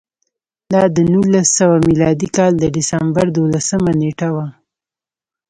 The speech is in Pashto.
دا د نولس سوه میلادي کال د ډسمبر دولسمه نېټه وه